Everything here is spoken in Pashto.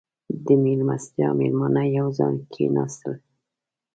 • د میلمستیا مېلمانه یو ځای کښېناستل.